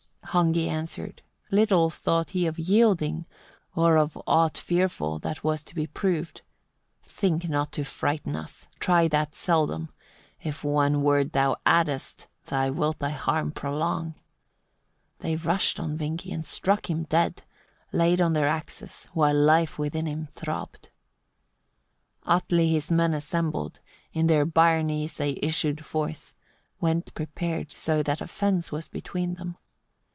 38. Hogni answered little thought he of yielding, or of aught fearful that was to be proved: "Think not to frighten us: try that seldom. If one word thou addest, thou wilt thy harm prolong." 39. They rushed on Vingi, and struck him dead, laid on their axes, while life within him throbbed. 40. Atli his men assembled, in their byrnies they issued forth, went prepared so that a fence was between them.